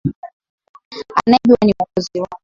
Anayejua ni mwokozi wangu